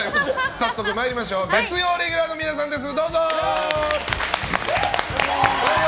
早速参りましょう月曜レギュラーの皆さんです。